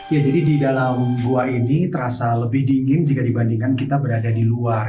ya jadi di dalam gua ini terasa lebih dingin jika dibandingkan kita berada di luar